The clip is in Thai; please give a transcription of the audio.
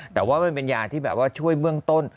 แต่ว่ามันเป็นยาที่แบบว่าช่วยเบื้องต้น